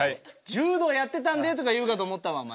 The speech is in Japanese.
柔道やってたんでとか言うかと思ったわお前。